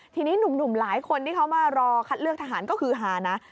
ทีนี้หนุ่มหลายคนที่เขามารอคัดเลือกทหารก็คือฮานะ